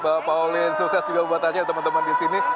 bapak pauline sukses juga buat aja teman teman di sini